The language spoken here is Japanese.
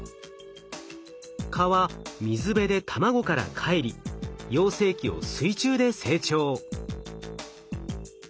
蚊は水辺で卵からかえり幼生期を水中で成長。